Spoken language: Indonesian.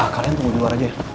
kalian tunggu di luar aja ya